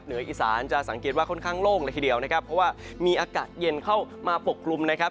เหนืออีสานจะสังเกตว่าค่อนข้างโล่งเลยทีเดียวนะครับเพราะว่ามีอากาศเย็นเข้ามาปกคลุมนะครับ